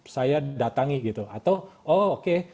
saya datangi gitu atau oh oke